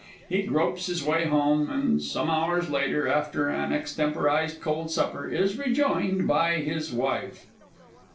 _He gropes his way home, and some hours later, after an extemporised cold supper, is rejoined by his Wife.